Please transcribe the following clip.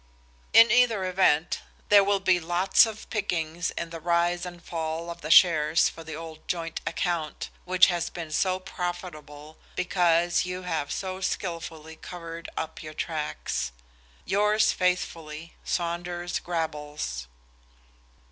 "In either event there will be lots of pickings in the rise and fall of the shares for the old joint account, which has been so profitable because you have so skillfully covered up your tracks. "Yours faithfully," "SAUNDERS GRABBLES."